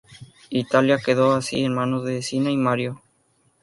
Italia quedó así en manos de Cina y Mario.